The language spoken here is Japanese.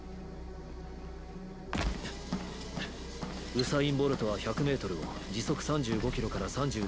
ウサイン・ボルトは１００ｍを時速３５ｋｍから３７ｋｍで走る。